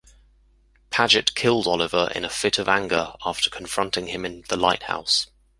Padgett killed Oliver in a fit of anger after confronting him in the lighthouse.